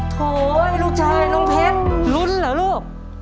โถลูกชายน้องเพชรลุ้นเหรอลูก